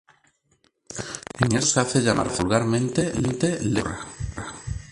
En este caso se hace llamar vulgarmente ""leche de burra"".